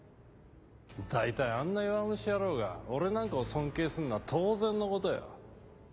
大体あんな弱虫野郎が俺なんかを尊敬すんのは当然のことよ。